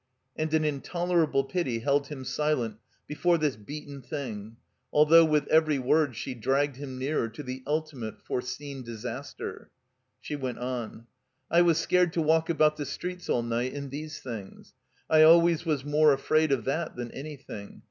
And an intolerable pity held him silent before this beaten thing, although with every word she dragged him nearer to the ultimate, foreseen disaster. She went on. "I was scared to walk about the streets all night in these things. I always was more afraid of that than anything.